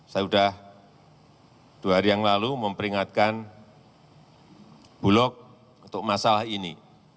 saya sudah dua hari yang lalu memperingatkan bulog untuk masalah ini